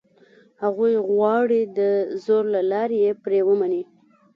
هغوی غواړي دزور له لاري یې پرې ومني.